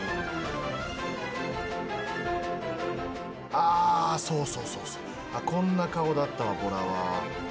あそうそうそうそうこんな顔だったわボラは。